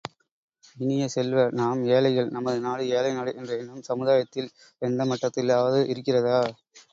இனிய செல்வ, நாம் ஏழைகள், நமது நாடு ஏழை நாடு என்ற எண்ணம் சமுதாயத்தில் எந்தமட்டத்திலாவது இருக்கிறதா?